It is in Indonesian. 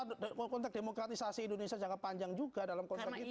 karena konteks demokratisasi indonesia jangka panjang juga dalam konteks itu